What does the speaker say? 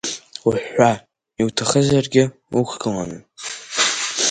Уҳәҳәа, уҭахызаргьы, уқәгыланы.